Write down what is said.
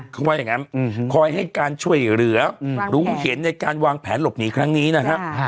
เขาว่าอย่างนั้นคอยให้การช่วยเหลือรู้เห็นในการวางแผนหลบหนีครั้งนี้นะฮะ